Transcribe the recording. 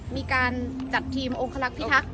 มีการจัดทีมองคลักษิทักษ์